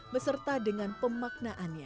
beserta dengan pemaknaannya